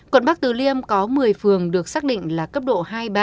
quận bắc từ liêm có một mươi phường được xác định là cấp độ hai ba